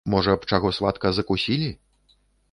Можа б, чаго, сватка, закусілі?